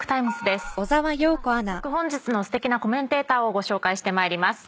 では早速本日のすてきなコメンテーターをご紹介してまいります。